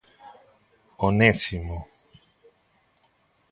Onésimo.